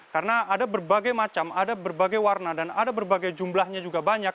karena ada berbagai macam ada berbagai warna dan ada berbagai jumlahnya juga banyak